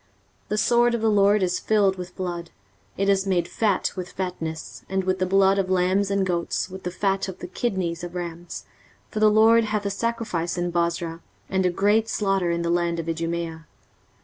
23:034:006 The sword of the LORD is filled with blood, it is made fat with fatness, and with the blood of lambs and goats, with the fat of the kidneys of rams: for the LORD hath a sacrifice in Bozrah, and a great slaughter in the land of Idumea.